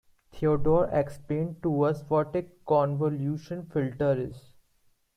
Theodore explained to us what a convolution filter is.